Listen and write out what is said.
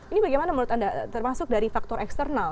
ini bagaimana menurut anda termasuk dari faktor eksternal